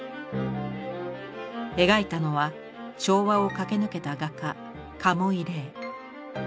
描いたのは昭和を駆け抜けた画家